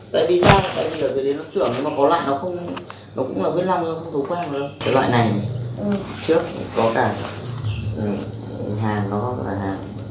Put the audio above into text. tại vì sao tại vì ở dưới đấy nó trưởng nhưng mà có loại nó không nó cũng là huyết lòng thôi không có vòng huyết lòng